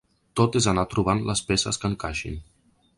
Tot és anar trobant les peces que encaixin.